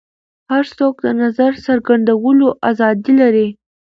هر څوک د نظر څرګندولو ازادي لري.